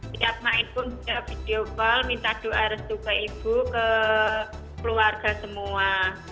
tiap main pun video call minta doa restu ke ibu ke keluarga semua